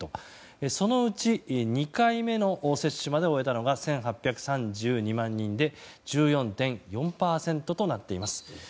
そのうち２回目の接種まで終えたのが１８３２万人で１４．４％となっています。